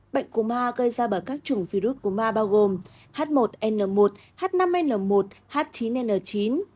bệnh cô ma gây ra bởi các trùng virus cô ma bao gồm h một n một h năm n một h chín n chín